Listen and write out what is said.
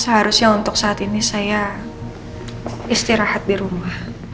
seharusnya untuk saat ini saya istirahat di rumah